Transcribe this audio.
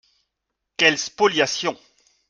Quelle spoliation